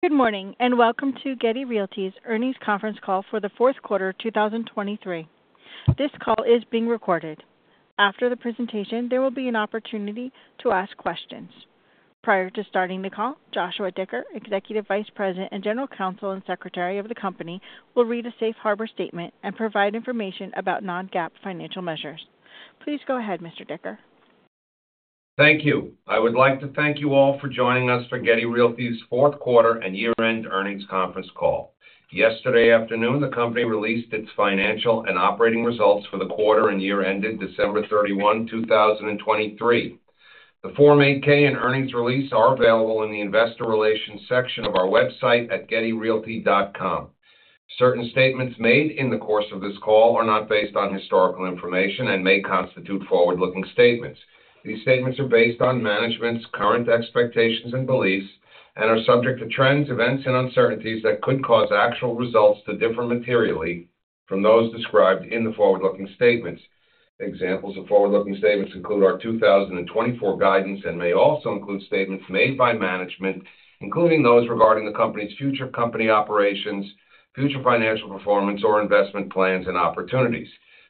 Good morning, and welcome to Getty Realty's Earnings Conference Call for the fourth quarter, 2023. This call is being recorded. After the presentation, there will be an opportunity to ask questions. Prior to starting the call, Joshua Dicker, Executive Vice President, General Counsel, and Secretary of the company, will read a safe harbor statement and provide information about non-GAAP financial measures. Please go ahead, Mr. Dicker. Thank you. I would like to thank you all for joining us for Getty Realty's fourth quarter and year-end earnings conference call. Yesterday afternoon, the company released its financial and operating results for the quarter and year ended December 31, 2023. The Form 8-K and earnings release are available in the investor relations section of our website at gettyrealty.com. Certain statements made in the course of this call are not based on historical information and may constitute forward-looking statements. These statements are based on management's current expectations and beliefs and are subject to trends, events, and uncertainties that could cause actual results to differ materially from those described in the forward-looking statements. Examples of forward-looking statements include our 2024 guidance and may also include statements made by management, including those regarding the company's future company operations, future financial performance, or investment plans and opportunities.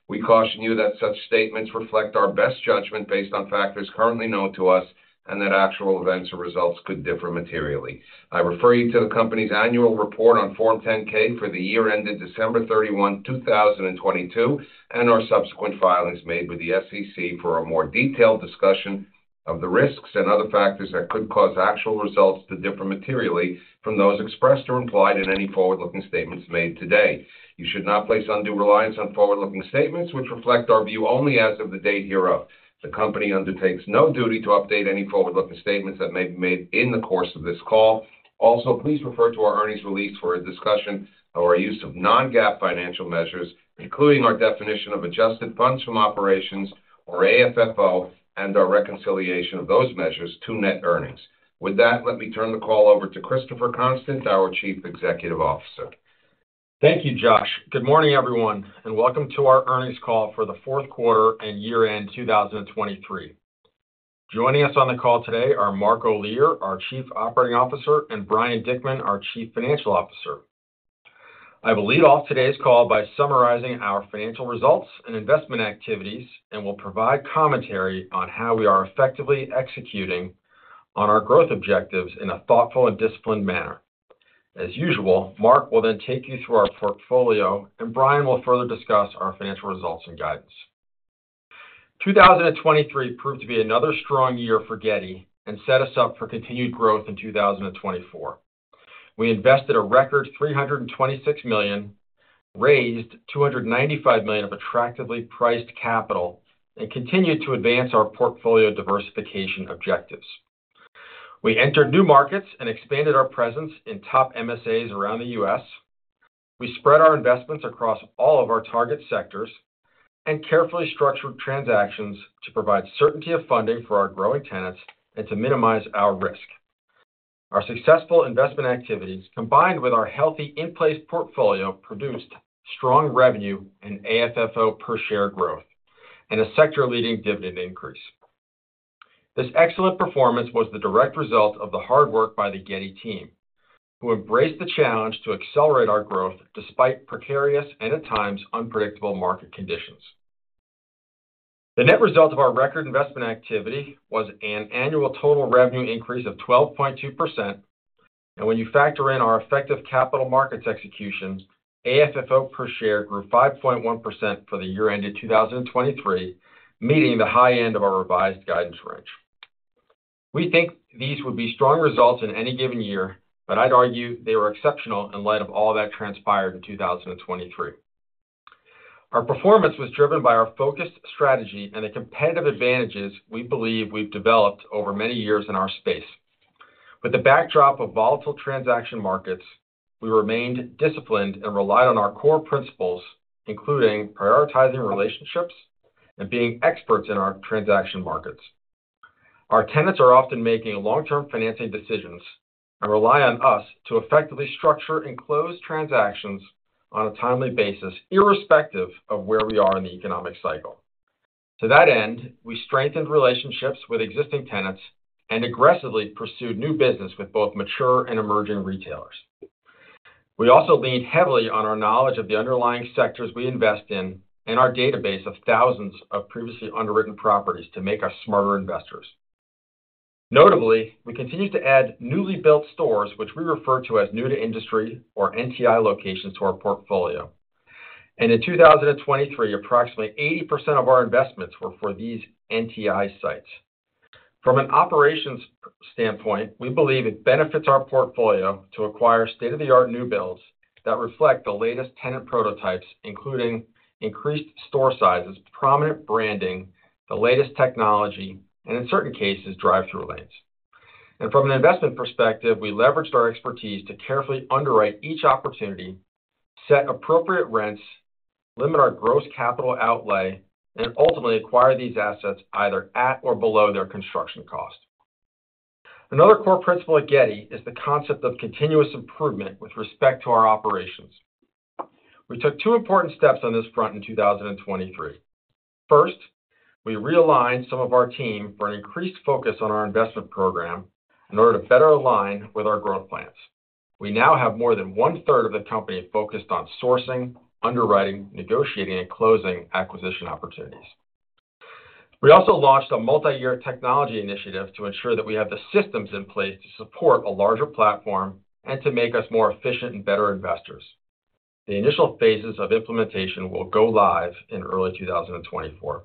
We caution you that such statements reflect our best judgment based on factors currently known to us, and that actual events or results could differ materially. I refer you to the company's annual report on Form 10-K for the year ended December 31, 2022, and our subsequent filings made with the SEC for a more detailed discussion of the risks and other factors that could cause actual results to differ materially from those expressed or implied in any forward-looking statements made today. You should not place undue reliance on forward-looking statements, which reflect our view only as of the date hereof. The company undertakes no duty to update any forward-looking statements that may be made in the course of this call. Also, please refer to our earnings release for a discussion of our use of non-GAAP financial measures, including our definition of adjusted funds from operations, or AFFO, and our reconciliation of those measures to net earnings. With that, let me turn the call over to Christopher Constant, our Chief Executive Officer. Thank you, Josh. Good morning, everyone, and welcome to our earnings call for the fourth quarter and year-end 2023. Joining us on the call today are Mark Olear, our Chief Operating Officer, and Brian Dickman, our Chief Financial Officer. I will lead off today's call by summarizing our financial results and investment activities, and will provide commentary on how we are effectively executing on our growth objectives in a thoughtful and disciplined manner. As usual, Mark will then take you through our portfolio, and Brian will further discuss our financial results and guidance. 2023 proved to be another strong year for Getty and set us up for continued growth in 2024. We invested a record $326 million, raised $295 million of attractively priced capital, and continued to advance our portfolio diversification objectives. We entered new markets and expanded our presence in top MSAs around the U.S. We spread our investments across all of our target sectors and carefully structured transactions to provide certainty of funding for our growing tenants and to minimize our risk. Our successful investment activities, combined with our healthy in-place portfolio, produced strong revenue and AFFO per share growth and a sector-leading dividend increase. This excellent performance was the direct result of the hard work by the Getty team, who embraced the challenge to accelerate our growth despite precarious and, at times, unpredictable market conditions. The net result of our record investment activity was an annual total revenue increase of 12.2%, and when you factor in our effective capital markets executions, AFFO per share grew 5.1% for the year ended 2023, meeting the high end of our revised guidance range. We think these would be strong results in any given year, but I'd argue they were exceptional in light of all that transpired in 2023. Our performance was driven by our focused strategy and the competitive advantages we believe we've developed over many years in our space. With the backdrop of volatile transaction markets, we remained disciplined and relied on our core principles, including prioritizing relationships and being experts in our transaction markets. Our tenants are often making long-term financing decisions and rely on us to effectively structure and close transactions on a timely basis, irrespective of where we are in the economic cycle. To that end, we strengthened relationships with existing tenants and aggressively pursued new business with both mature and emerging retailers. We also leaned heavily on our knowledge of the underlying sectors we invest in and our database of thousands of previously underwritten properties to make us smarter investors. Notably, we continued to add newly built stores, which we refer to as new-to-industry or NTI locations, to our portfolio. In 2023, approximately 80% of our investments were for these NTI sites. From an operations standpoint, we believe it benefits our portfolio to acquire state-of-the-art new builds that reflect the latest tenant prototypes, including increased store sizes, prominent branding, the latest technology, and in certain cases, drive-through lanes. From an investment perspective, we leveraged our expertise to carefully underwrite each opportunity, set appropriate rents, limit our gross capital outlay, and ultimately acquire these assets either at or below their construction cost. Another core principle at Getty is the concept of continuous improvement with respect to our operations. We took two important steps on this front in 2023. First, we realigned some of our team for an increased focus on our investment program in order to better align with our growth plans. We now have more than one-third of the company focused on sourcing, underwriting, negotiating, and closing acquisition opportunities. We also launched a multi-year technology initiative to ensure that we have the systems in place to support a larger platform and to make us more efficient and better investors. The initial phases of implementation will go live in early 2024.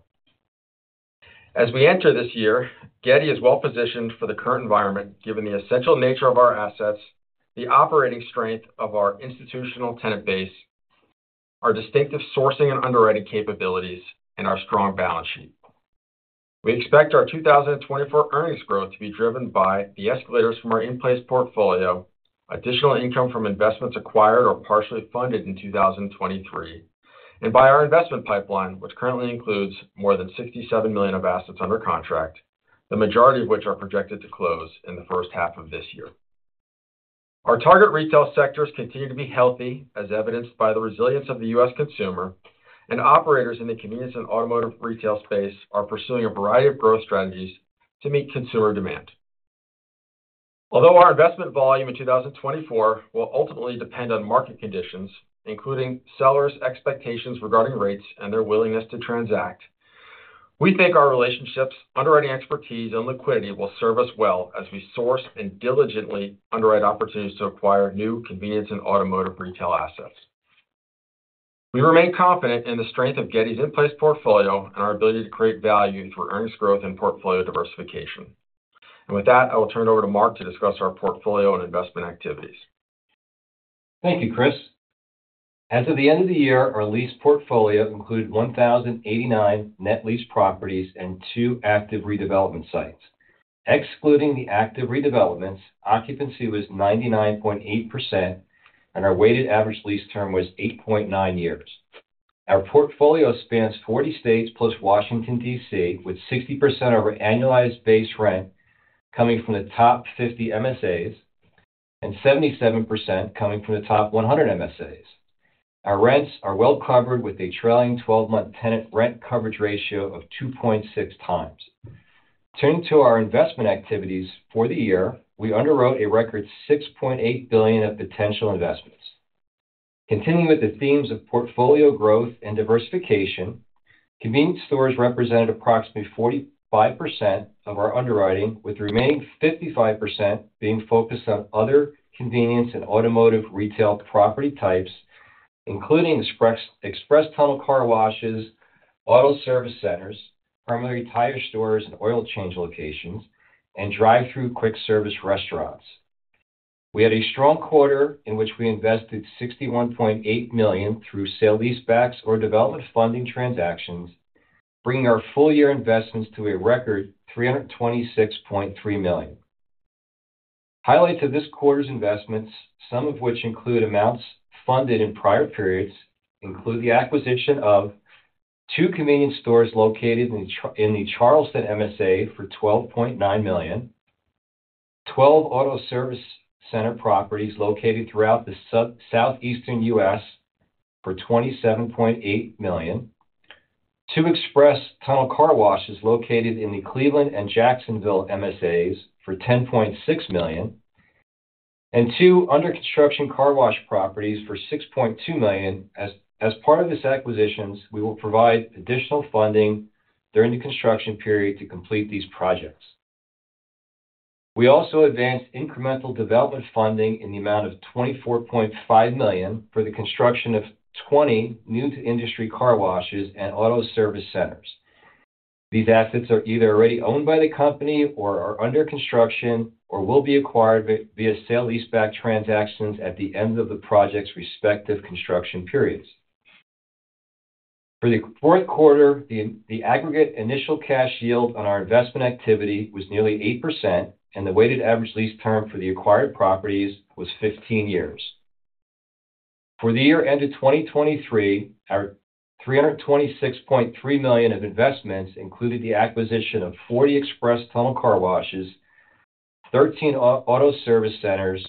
As we enter this year, Getty is well positioned for the current environment, given the essential nature of our assets, the operating strength of our institutional tenant base, our distinctive sourcing and underwriting capabilities, and our strong balance sheet. We expect our 2024 earnings growth to be driven by the escalators from our in-place portfolio, additional income from investments acquired or partially funded in 2023, and by our investment pipeline, which currently includes more than $67 million of assets under contract, the majority of which are projected to close in the first half of this year. Our target retail sectors continue to be healthy, as evidenced by the resilience of the U.S. consumer, and operators in the convenience and automotive retail space are pursuing a variety of growth strategies to meet consumer demand. Although our investment volume in 2024 will ultimately depend on market conditions, including sellers' expectations regarding rates and their willingness to transact, we think our relationships, underwriting expertise, and liquidity will serve us well as we source and diligently underwrite opportunities to acquire new convenience and automotive retail assets. We remain confident in the strength of Getty's in-place portfolio and our ability to create value through earnings growth and portfolio diversification. And with that, I will turn it over to Mark to discuss our portfolio and investment activities. Thank you, Chris. As of the end of the year, our lease portfolio included 1,089 net lease properties and two active redevelopment sites. Excluding the active redevelopments, occupancy was 99.8%, and our weighted average lease term was 8.9 years. Our portfolio spans 40 states, plus Washington, D.C., with 60% of our annualized base rent coming from the top 50 MSAs, and 77% coming from the top 100 MSAs. Our rents are well covered, with a trailing 12-month tenant rent coverage ratio of 2.6x. Turning to our investment activities for the year, we underwrote a record $6.8 billion of potential investments. Continuing with the themes of portfolio growth and diversification, convenience stores represented approximately 45% of our underwriting, with the remaining 55% being focused on other convenience and automotive retail property types, including express, express tunnel car washes, auto service centers, primarily tire stores and oil change locations, and drive-through quick service restaurants. We had a strong quarter in which we invested $61.8 million through sale-leasebacks or development funding transactions, bringing our full-year investments to a record $326.3 million. Highlights of this quarter's investments, some of which include amounts funded in prior periods, include the acquisition of two convenience stores located in the Charleston MSA for $12.9 million, 12 auto service center properties located throughout the southeastern U.S. for $27.8 million, two express tunnel car washes located in the Cleveland and Jacksonville MSAs for $10.6 million, and two under-construction car wash properties for $6.2 million. As part of this acquisitions, we will provide additional funding during the construction period to complete these projects. We also advanced incremental development funding in the amount of $24.5 million for the construction of 20 new-to-industry car washes and auto service centers. These assets are either already owned by the company or are under construction, or will be acquired via sale-leaseback transactions at the end of the project's respective construction periods. For the fourth quarter, the aggregate initial cash yield on our investment activity was nearly 8%, and the weighted average lease term for the acquired properties was 15 years. For the year ended 2023, our $326.3 million of investments included the acquisition of 40 express tunnel car washes, 13 auto service centers,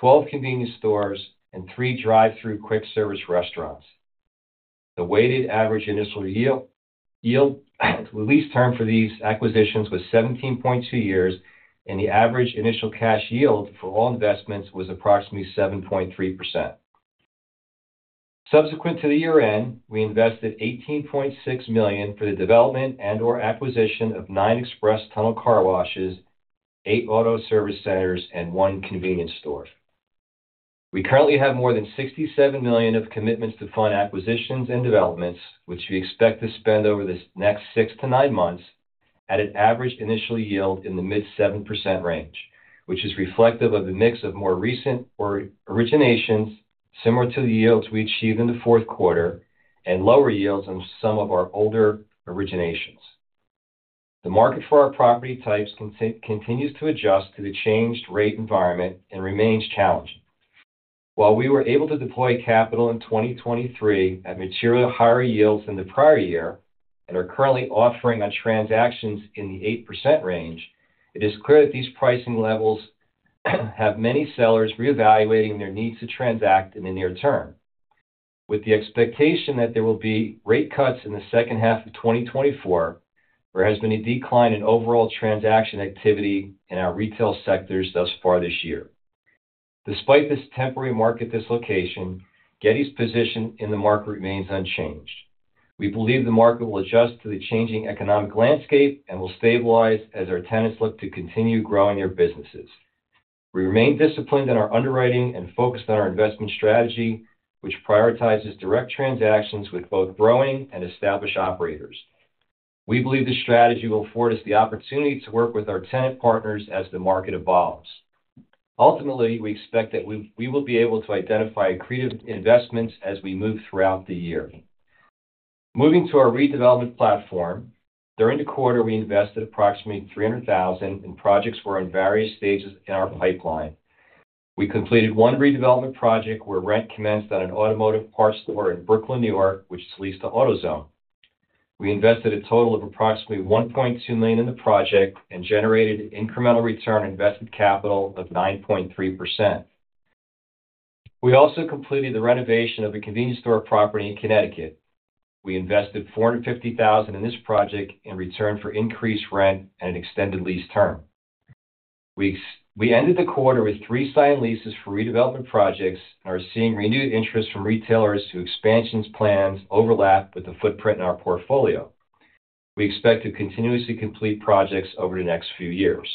12 convenience stores, and three drive-through quick service restaurants. The weighted average initial yield lease term for these acquisitions was 17.2 years, and the average initial cash yield for all investments was approximately 7.3%. Subsequent to the year-end, we invested $18.6 million for the development and/or acquisition of nine express tunnel car washes, eight auto service centers, and one convenience store. We currently have more than $67 million of commitments to fund acquisitions and developments, which we expect to spend over this next six to nine months at an average initial yield in the mid-7% range, which is reflective of the mix of more recent originations, similar to the yields we achieved in the fourth quarter, and lower yields on some of our older originations. The market for our property types continues to adjust to the changed rate environment and remains challenging. While we were able to deploy capital in 2023 at material higher yields than the prior year and are currently offering on transactions in the 8% range, it is clear that these pricing levels. have many sellers reevaluating their needs to transact in the near term. With the expectation that there will be rate cuts in the second half of 2024, there has been a decline in overall transaction activity in our retail sectors thus far this year. Despite this temporary market dislocation, Getty's position in the market remains unchanged. We believe the market will adjust to the changing economic landscape and will stabilize as our tenants look to continue growing their businesses. We remain disciplined in our underwriting and focused on our investment strategy, which prioritizes direct transactions with both growing and established operators. We believe this strategy will afford us the opportunity to work with our tenant partners as the market evolves. Ultimately, we expect that we will be able to identify creative investments as we move throughout the year. Moving to our redevelopment platform. During the quarter, we invested approximately $300,000, and projects were in various stages in our pipeline. We completed one redevelopment project, where rent commenced at an automotive parts store in Brooklyn, New York, which is leased to AutoZone. We invested a total of approximately $1.2 million in the project and generated incremental return on invested capital of 9.3%. We also completed the renovation of a convenience store property in Connecticut. We invested $450,000 in this project in return for increased rent and an extended lease term. We ended the quarter with three signed leases for redevelopment projects and are seeing renewed interest from retailers whose expansion plans overlap with the footprint in our portfolio. We expect to continuously complete projects over the next few years.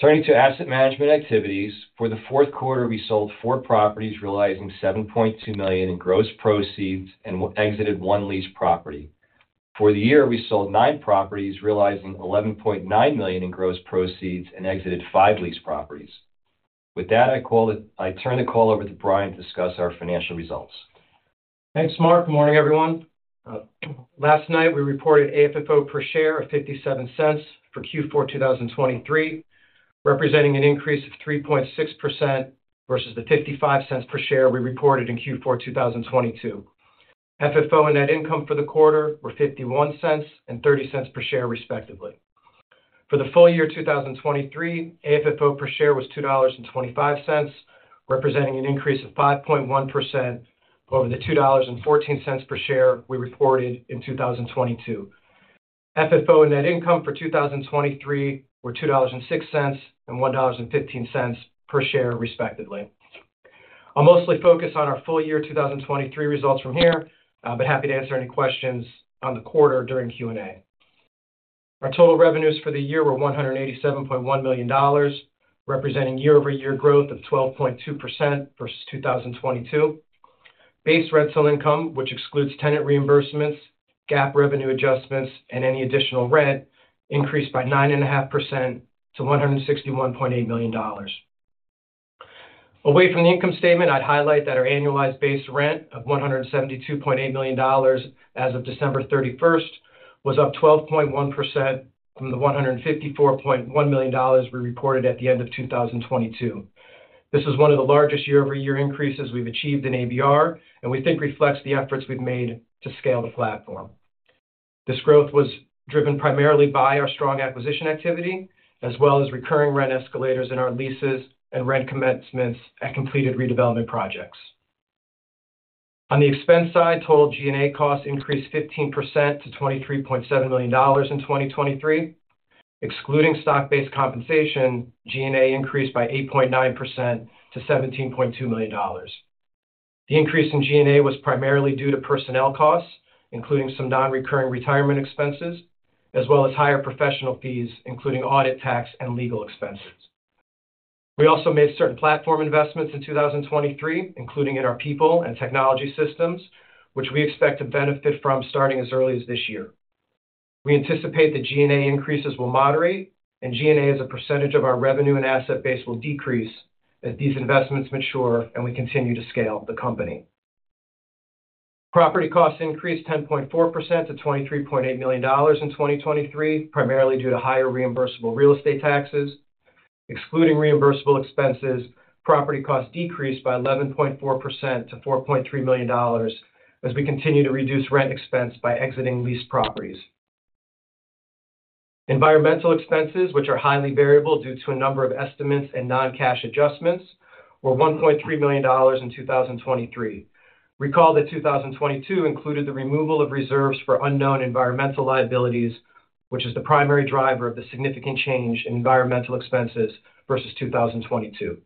Turning to asset management activities. For the fourth quarter, we sold four properties, realizing $7.2 million in gross proceeds and exited one lease property. For the year, we sold nine properties, realizing $11.9 million in gross proceeds and exited five lease properties. With that, I turn the call over to Brian to discuss our financial results. Thanks, Mark. Good morning, everyone. Last night, we reported AFFO per share of $0.57 for Q4 2023, representing an increase of 3.6% versus the $0.55 per share we reported in Q4 2022. FFO and net income for the quarter were $0.51 and $0.30 per share, respectively. For the full year of 2023, AFFO per share was $2.25, representing an increase of 5.1% over the $2.14 per share we reported in 2022. FFO and net income for 2023 were $2.06 and $1.15 per share, respectively. I'll mostly focus on our full year 2023 results from here, but happy to answer any questions on the quarter during Q&A. Our total revenues for the year were $187.1 million, representing year-over-year growth of 12.2% versus 2022. Base rental income, which excludes tenant reimbursements, GAAP revenue adjustments, and any additional rent, increased by 9.5% to $161.8 million. Away from the income statement, I'd highlight that our annualized base rent of $172.8 million as of December thirty-first was up 12.1% from the $154.1 million we reported at the end of 2022. This is one of the largest year-over-year increases we've achieved in ABR, and we think reflects the efforts we've made to scale the platform. This growth was driven primarily by our strong acquisition activity, as well as recurring rent escalators in our leases and rent commencements at completed redevelopment projects. On the expense side, total G&A costs increased 15% to $23.7 million in 2023. Excluding stock-based compensation, G&A increased by 8.9% to $17.2 million. The increase in G&A was primarily due to personnel costs, including some non-recurring retirement expenses, as well as higher professional fees, including audit, tax, and legal expenses. We also made certain platform investments in 2023, including in our people and technology systems, which we expect to benefit from starting as early as this year. We anticipate the G&A increases will moderate, and G&A, as a percentage of our revenue and asset base, will decrease as these investments mature and we continue to scale the company. Property costs increased 10.4% to $23.8 million in 2023, primarily due to higher reimbursable real estate taxes. Excluding reimbursable expenses, property costs decreased by 11.4% to $4.3 million as we continue to reduce rent expense by exiting leased properties. Environmental expenses, which are highly variable due to a number of estimates and non-cash adjustments, were $1.3 million in 2023. Recall that 2022 included the removal of reserves for unknown environmental liabilities, which is the primary driver of the significant change in environmental expenses versus 2022.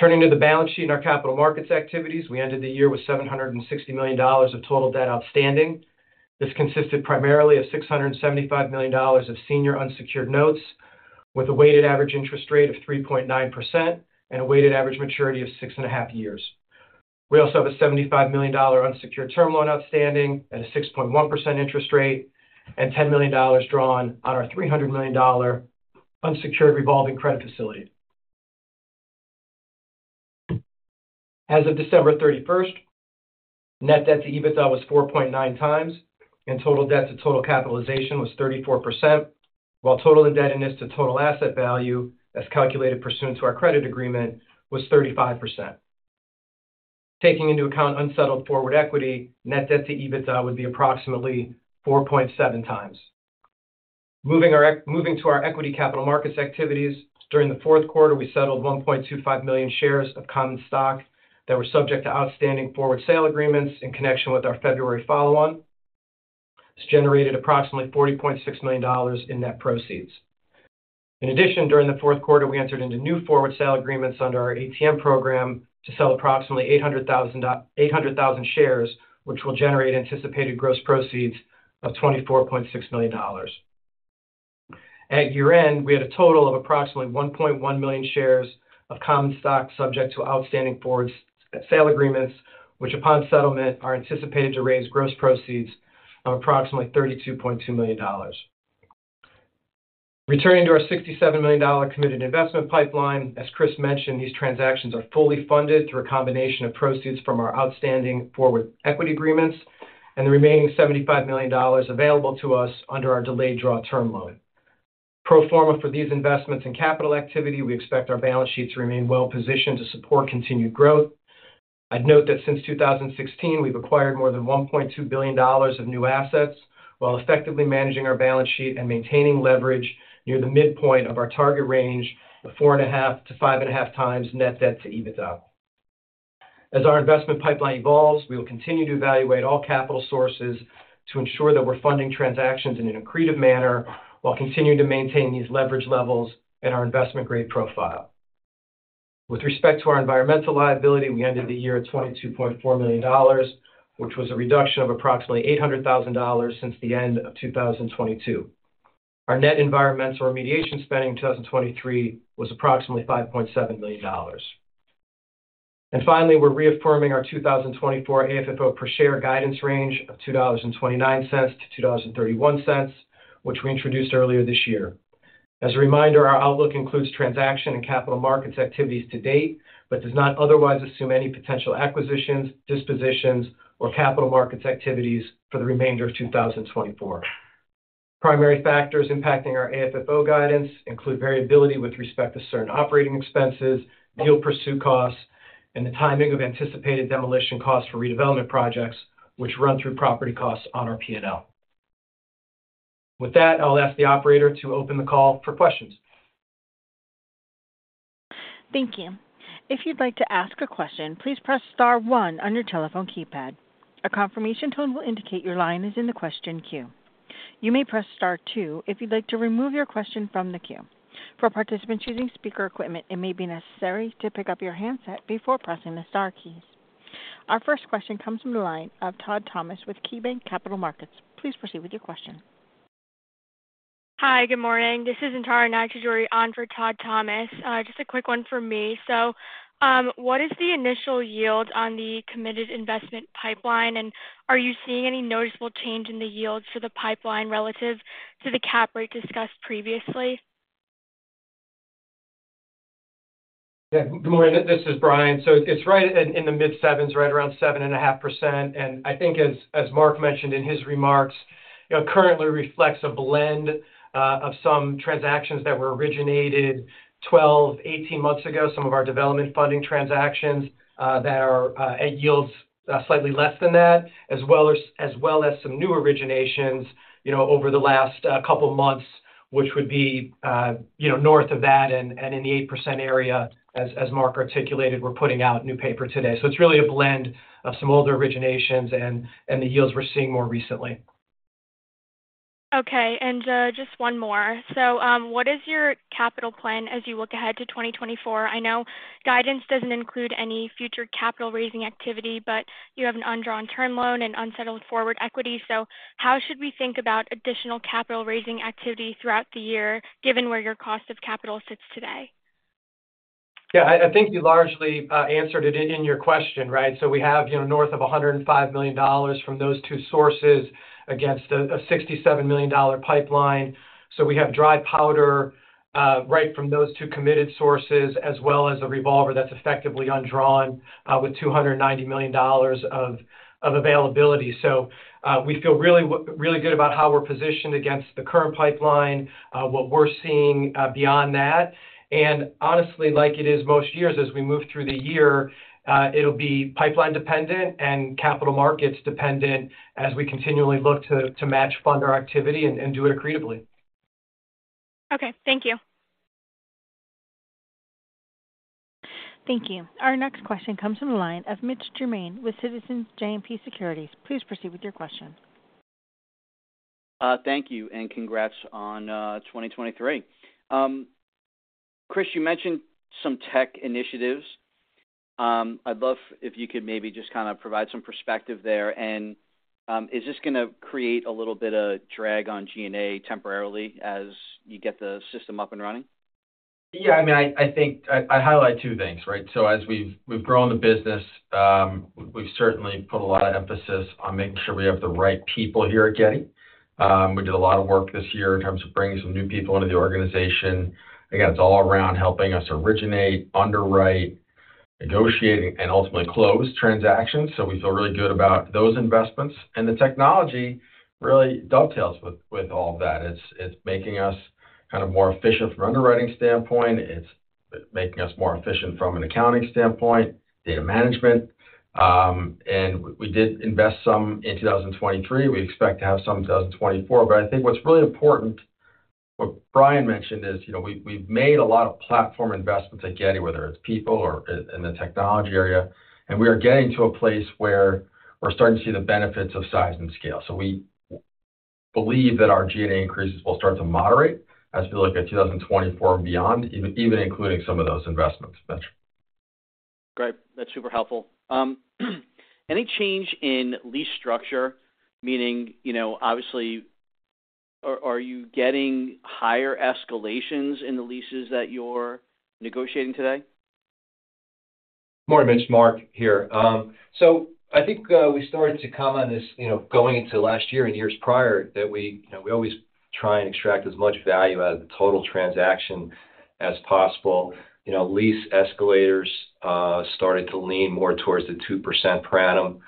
Turning to the balance sheet and our capital markets activities, we ended the year with $760 million of total debt outstanding. This consisted primarily of $675 million of senior unsecured notes, with a weighted average interest rate of 3.9% and a weighted average maturity of 6.5 years. We also have a $75 million unsecured term loan outstanding at a 6.1% interest rate and $10 million drawn on our $300 million unsecured revolving credit facility. As of December 31, net debt to EBITDA was 4.9x, and total debt to total capitalization was 34%, while total indebtedness to total asset value, as calculated pursuant to our credit agreement, was 35%.... taking into account unsettled forward equity, net debt to EBITDA would be approximately 4.7x. Moving to our equity capital markets activities. During the fourth quarter, we settled 1.25 million shares of common stock that were subject to outstanding forward sale agreements in connection with our February follow-on. This generated approximately $40.6 million in net proceeds. In addition, during the fourth quarter, we entered into new forward sale agreements under our ATM program to sell approximately 800,000 shares, which will generate anticipated gross proceeds of $24.6 million. At year-end, we had a total of approximately 1.1 million shares of common stock subject to outstanding forward sale agreements, which, upon settlement, are anticipated to raise gross proceeds of approximately $32.2 million. Returning to our $67 million committed investment pipeline, as Chris mentioned, these transactions are fully funded through a combination of proceeds from our outstanding forward equity agreements and the remaining $75 million available to us under our delayed draw term loan. Pro forma for these investments in capital activity, we expect our balance sheet to remain well positioned to support continued growth. I'd note that since 2016, we've acquired more than $1.2 billion of new assets while effectively managing our balance sheet and maintaining leverage near the midpoint of our target range of 4.5-5.5x net debt to EBITDA. As our investment pipeline evolves, we will continue to evaluate all capital sources to ensure that we're funding transactions in an accretive manner, while continuing to maintain these leverage levels and our investment-grade profile. With respect to our environmental liability, we ended the year at $22.4 million, which was a reduction of approximately $800,000 since the end of 2022. Our net environmental remediation spending in 2023 was approximately $5.7 million. And finally, we're reaffirming our 2024 AFFO per share guidance range of $2.29-$2.31, which we introduced earlier this year. As a reminder, our outlook includes transaction and capital markets activities to date, but does not otherwise assume any potential acquisitions, dispositions, or capital markets activities for the remainder of 2024. Primary factors impacting our AFFO guidance include variability with respect to certain operating expenses, deal pursue costs, and the timing of anticipated demolition costs for redevelopment projects, which run through property costs on our P&L. With that, I'll ask the operator to open the call for questions. Thank you. If you'd like to ask a question, please press star one on your telephone keypad. A confirmation tone will indicate your line is in the question queue. You may press Star two if you'd like to remove your question from the queue. For participants using speaker equipment, it may be necessary to pick up your handset before pressing the star keys. Our first question comes from the line of Todd Thomas with KeyBanc Capital Markets. Please proceed with your question. Hi, good morning. This is Antara Nag-Chaudhuri on for Todd Thomas. Just a quick one for me. So, what is the initial yield on the committed investment pipeline, and are you seeing any noticeable change in the yields for the pipeline relative to the cap rate discussed previously? Yeah, good morning. This is Brian. So it's right in the mid-7s, right around 7.5%. And I think as Mark mentioned in his remarks, you know, currently reflects a blend of some transactions that were originated 12, 18 months ago. Some of our development funding transactions that are at yields slightly less than that, as well as some new originations, you know, over the last couple of months, which would be, you know, north of that and in the 8% area. As Mark articulated, we're putting out new paper today. So it's really a blend of some older originations and the yields we're seeing more recently. Okay, and, just one more. So, what is your capital plan as you look ahead to 2024? I know guidance doesn't include any future capital raising activity, but you have an undrawn term loan and unsettled forward equity. So how should we think about additional capital raising activity throughout the year, given where your cost of capital sits today? Yeah, I think you largely answered it in your question, right? So we have, you know, north of $105 million from those two sources against a $67 million pipeline. So we have dry powder right from those two committed sources, as well as a revolver that's effectively undrawn with $290 million of availability. So we feel really, really good about how we're positioned against the current pipeline, what we're seeing beyond that, and honestly, like it is most years, as we move through the year, it'll be pipeline dependent and capital markets dependent as we continually look to match fund our activity and do it accretively. Okay, thank you. Thank you. Our next question comes from the line of Mitch Germain with Citizens JMP Securities. Please proceed with your question. Thank you, and congrats on 2023. Chris, you mentioned some tech initiatives. I'd love if you could maybe just kind of provide some perspective there. Is this going to create a little bit of drag on G&A temporarily as you get the system up and running? Yeah, I mean, I think I highlight two things, right? So as we've grown the business, we've certainly put a lot of emphasis on making sure we have the right people here at Getty. We did a lot of work this year in terms of bringing some new people into the organization. Again, it's all around helping us originate, underwrite, negotiate, and ultimately close transactions. So we feel really good about those investments, and the technology really dovetails with all of that. It's making us kind of more efficient from an underwriting standpoint. It's making us more efficient from an accounting standpoint, data management. And we did invest some in 2023. We expect to have some in 2024. But I think what's really important, what Brian mentioned is, you know, we've made a lot of platform investments at Getty, whether it's people or in the technology area, and we are getting to a place where we're starting to see the benefits of size and scale. So we believe that our G&A increases will start to moderate as we look at 2024 and beyond, even including some of those investments. Mitch? Great. That's super helpful. Any change in lease structure? Meaning, you know, obviously, are you getting higher escalations in the leases that you're negotiating today? Morning, Mitch, Mark here. So I think we started to comment on this, you know, going into last year and years prior, that we, you know, we always try and extract as much value out of the total transaction as possible. You know, lease escalators started to lean more towards the 2% per annum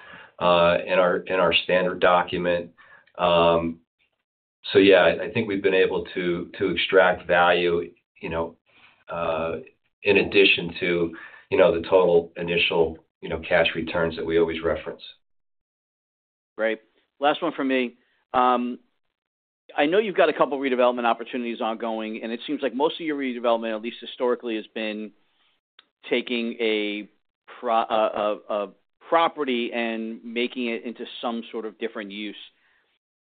in our standard document. So yeah, I think we've been able to extract value, you know, in addition to, you know, the total initial cash returns that we always reference. Great. Last one from me. I know you've got a couple of redevelopment opportunities ongoing, and it seems like most of your redevelopment, at least historically, has been taking a property and making it into some sort of different use.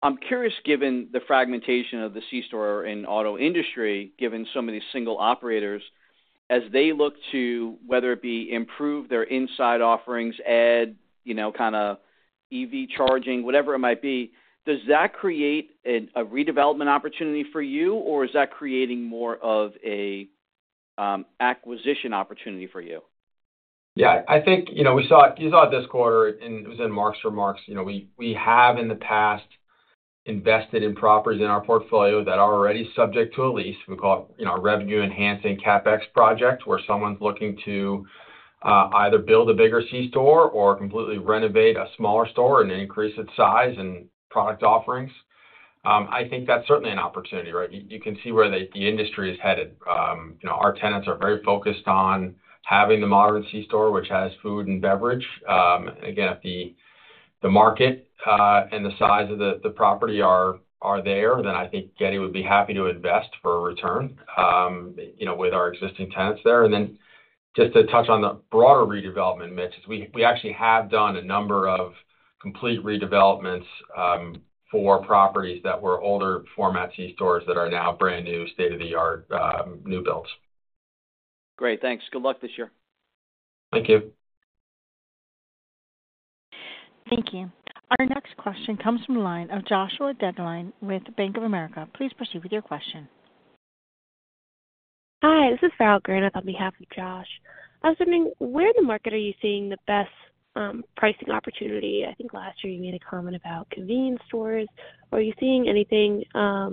I'm curious, given the fragmentation of the C-store or in auto industry, given some of these single operators, as they look to whether it be improve their inside offerings, add, you know, kind of EV charging, whatever it might be, does that create a redevelopment opportunity for you, or is that creating more of a acquisition opportunity for you? Yeah, I think, you know, we saw it—you saw it this quarter, and it was in Mark's remarks. You know, we have in the past invested in properties in our portfolio that are already subject to a lease. We call it, you know, a revenue-enhancing CapEx project, where someone's looking to either build a bigger C-store or completely renovate a smaller store and increase its size and product offerings. I think that's certainly an opportunity, right? You can see where the industry is headed. You know, our tenants are very focused on having the modern C-store, which has food and beverage. Again, if the market and the size of the property are there, then I think Getty would be happy to invest for a return, you know, with our existing tenants there. And then just to touch on the broader redevelopment, Mitch, is we actually have done a number of complete redevelopments for properties that were older format C-stores that are now brand new, state-of-the-art new builds. Great, thanks. Good luck this year. Thank you. Thank you. Our next question comes from the line of Josh Dedeline with Bank of America. Please proceed with your question. Hi, this is Farrell Granath on behalf of Josh. I was wondering, where in the market are you seeing the best, pricing opportunity? I think last year you made a comment about convenience stores. Are you seeing anything, I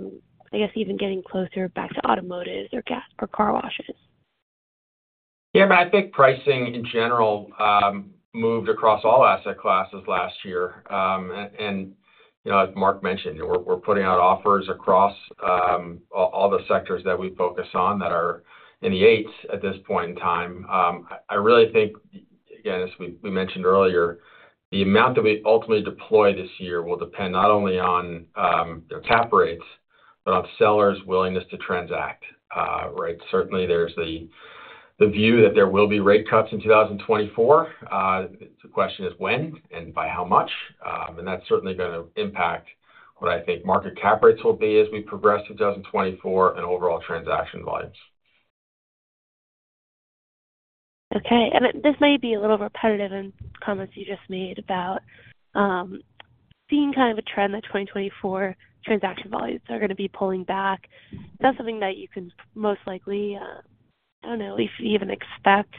guess, even getting closer back to automotive or gas or car washes? Yeah, but I think pricing in general moved across all asset classes last year. And, you know, as Mark mentioned, we're putting out offers across all the sectors that we focus on that are in the eights at this point in time. I really think, again, as we mentioned earlier, the amount that we ultimately deploy this year will depend not only on the cap rates, but on sellers' willingness to transact. Right? Certainly, there's the view that there will be rate cuts in 2024. The question is when and by how much? And that's certainly going to impact what I think market cap rates will be as we progress to 2024 and overall transaction volumes. Okay. And this may be a little repetitive in comments you just made about seeing kind of a trend that 2024 transaction volumes are going to be pulling back. Is that something that you can most likely, I don't know, if you even expect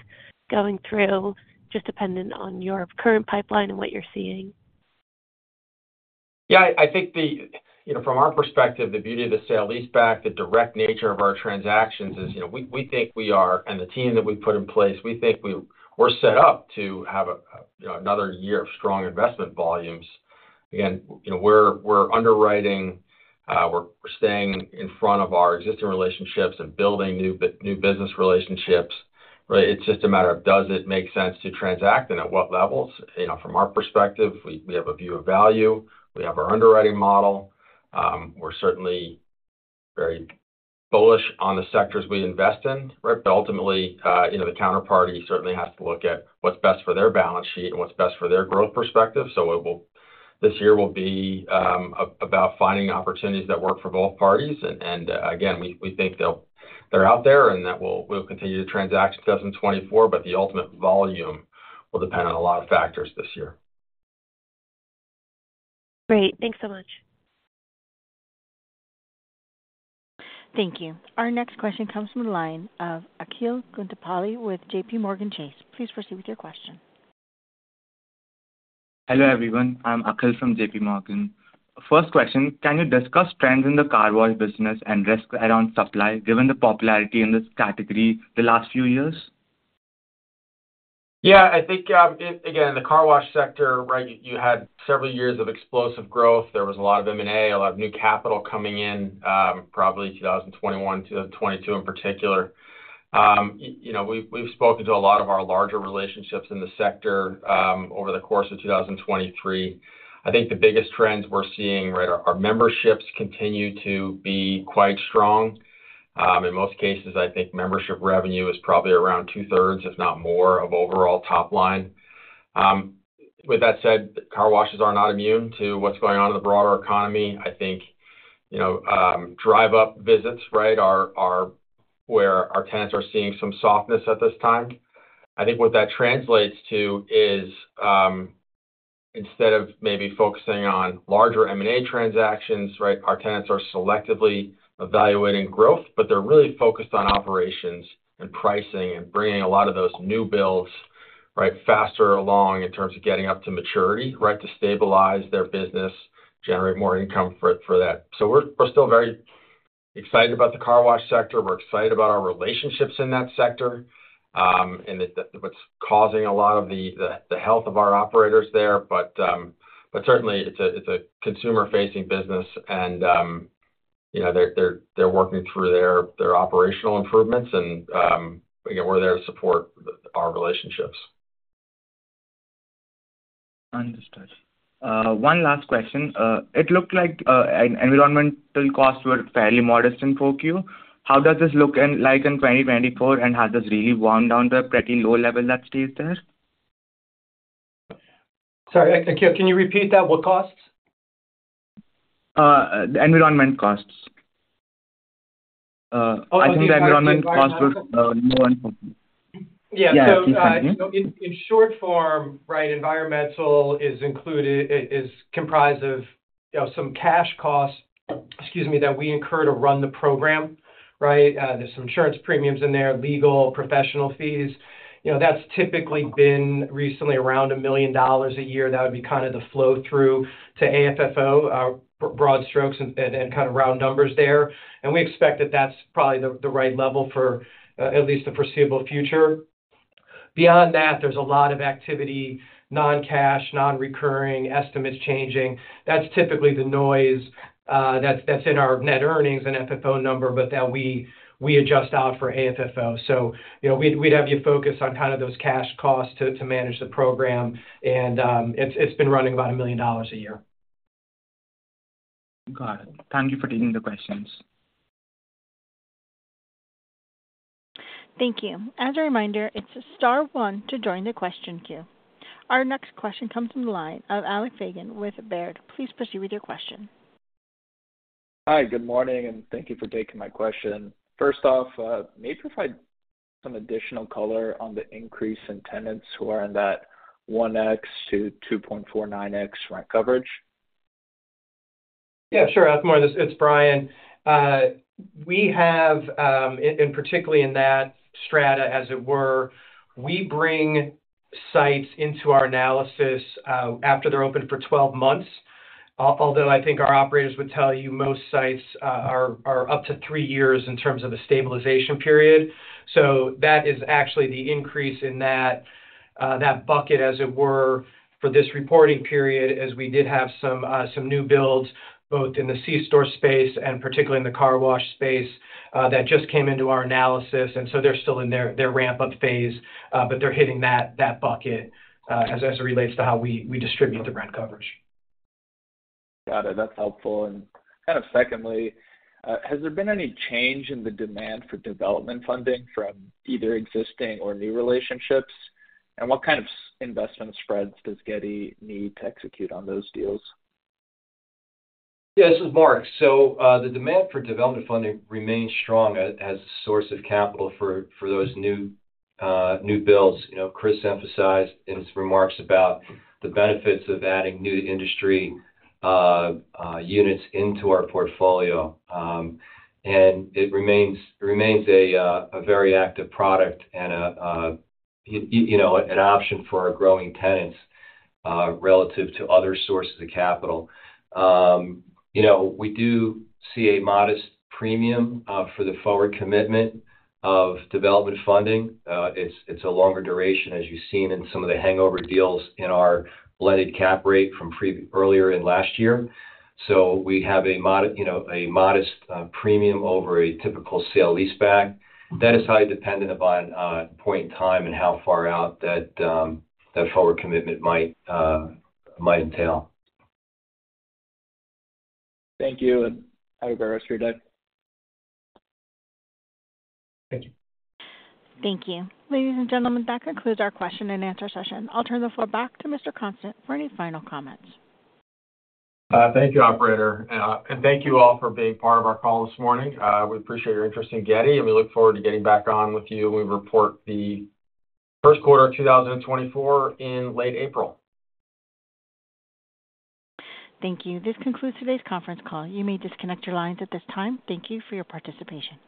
going through, just dependent on your current pipeline and what you're seeing? Yeah, I think... You know, from our perspective, the beauty of the sale-leaseback, the direct nature of our transactions is, you know, we, we think we are, and the team that we put in place, we think we're set up to have a, you know, another year of strong investment volumes. Again, you know, we're, we're underwriting, we're staying in front of our existing relationships and building new business relationships. But it's just a matter of does it make sense to transact and at what levels? You know, from our perspective, we, we have a view of value. We have our underwriting model. We're certainly very bullish on the sectors we invest in, right? But ultimately, you know, the counterparty certainly has to look at what's best for their balance sheet and what's best for their growth perspective. This year will be about finding opportunities that work for both parties. Again, we think they're out there and that we'll continue to transact in 2024, but the ultimate volume will depend on a lot of factors this year. Great. Thanks so much. Thank you. Our next question comes from the line of Akhil Guntupalli with JP Morgan Chase. Please proceed with your question. Hello, everyone. I'm Akhil from J.P. Morgan. First question, can you discuss trends in the car wash business and risk around supply, given the popularity in this category the last few years?... Yeah, I think, again, the car wash sector, right, you had several years of explosive growth. There was a lot of M&A, a lot of new capital coming in, probably 2021 to 2022 in particular. You know, we've spoken to a lot of our larger relationships in the sector, over the course of 2023. I think the biggest trends we're seeing, right, are memberships continue to be quite strong. In most cases, I think membership revenue is probably around two-thirds, if not more, of overall top line. With that said, car washes are not immune to what's going on in the broader economy. I think, you know, drive-up visits, right, are where our tenants are seeing some softness at this time. I think what that translates to is, instead of maybe focusing on larger M&A transactions, right, our tenants are selectively evaluating growth. But they're really focused on operations and pricing and bringing a lot of those new builds, right, faster along in terms of getting up to maturity, right, to stabilize their business, generate more income for that. So we're still very excited about the car wash sector. We're excited about our relationships in that sector, and what's causing a lot of the health of our operators there. But certainly, it's a consumer-facing business and, you know, they're working through their operational improvements, and again, we're there to support our relationships. Understood. One last question. It looked like an environmental costs were fairly modest in Q4. How does this look in, like, 2024, and has this really wound down to a pretty low level that stays there? Sorry, can you repeat that? What costs? The environment costs. Oh, the environmental I think the environment costs were more important. Yeah. Yeah. So, in short form, right, environmental is included, it is comprised of, you know, some cash costs, excuse me, that we incur to run the program, right? There's some insurance premiums in there, legal, professional fees. You know, that's typically been recently around $1 million a year. That would be kind of the flow-through to AFFO, broad strokes and kind of round numbers there. And we expect that that's probably the right level for at least the foreseeable future. Beyond that, there's a lot of activity, non-cash, non-recurring estimates changing. That's typically the noise, that's in our net earnings and FFO number, but that we adjust out for AFFO. You know, we'd have you focus on kind of those cash costs to manage the program, and it's been running about $1 million a year. Got it. Thank you for taking the questions. Thank you. As a reminder, it's star one to join the question queue. Our next question comes from the line of Alex Saigon with Baird. Please proceed with your question. Hi, good morning, and thank you for taking my question. First off, may you provide some additional color on the increase in tenants who are in that 1x to 2.49x rent coverage? Yeah, sure, Alex. Morning, it's Brian. We have and particularly in that strata, as it were, we bring sites into our analysis after they're open for 12 months. Although I think our operators would tell you most sites are up to three years in terms of the stabilization period. So that is actually the increase in that bucket, as it were, for this reporting period, as we did have some new builds, both in the C store space and particularly in the car wash space, that just came into our analysis, and so they're still in their ramp-up phase. But they're hitting that bucket as it relates to how we distribute the rent coverage. Got it. That's helpful. And kind of secondly, has there been any change in the demand for development funding from either existing or new relationships? And what kind of investment spreads does Getty need to execute on those deals? Yeah, this is Mark. So, the demand for development funding remains strong as a source of capital for those new new builds. You know, Chris emphasized in his remarks about the benefits of adding new industry units into our portfolio. And it remains a very active product and a you know, an option for our growing tenants relative to other sources of capital. You know, we do see a modest premium for the forward commitment of development funding. It's a longer duration, as you've seen in some of the hangover deals in our blended cap rate from earlier in last year. So we have a you know, a modest premium over a typical sale leaseback. That is highly dependent upon point in time and how far out that forward commitment might entail. Thank you, and have a great rest of your day. Thank you. Thank you. Ladies and gentlemen, that concludes our question and answer session. I'll turn the floor back to Mr. Constant for any final comments. Thank you, operator, and thank you all for being part of our call this morning. We appreciate your interest in Getty, and we look forward to getting back on with you. We report the first quarter of 2024 in late April. Thank you. This concludes today's conference call. You may disconnect your lines at this time. Thank you for your participation.